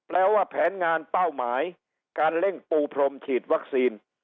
ว่าแผนงานเป้าหมายการเร่งปูพรมฉีดวัคซีน